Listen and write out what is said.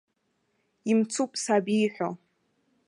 Имцуп саб ииҳәо.